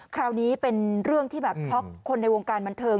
คราวนี้เป็นเรื่องที่แบบช็อกคนในวงการบันเทิง